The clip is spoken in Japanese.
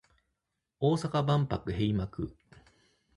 大阪万博閉幕